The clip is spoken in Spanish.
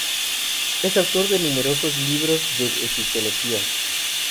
Es autor de numerosos libros sobre egiptología.